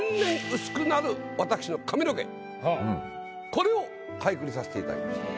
これを俳句にさしていただきました。